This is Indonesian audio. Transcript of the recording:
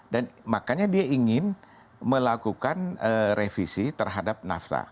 dan makanya dia ingin melakukan revisi terhadap nafta